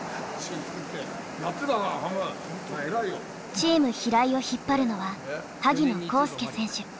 チーム平井を引っ張るのは萩野公介選手。